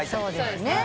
そうですね。